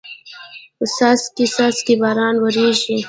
څاڅکي څاڅکي باران وریږي